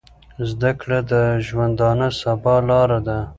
زده کړه د روښانه سبا لاره ده.